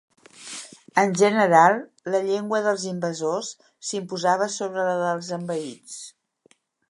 En general, la llengua dels invasors s'imposava sobre la dels envaïts.